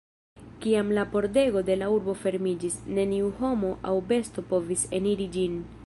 Kiam la pordego de la urbo fermiĝis, neniu homo aŭ besto povis eniri ĝin.